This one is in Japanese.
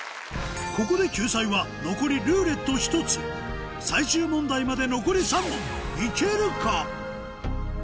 ここで救済は残り「ルーレット」１つ最終問題まで残り３問いけるか？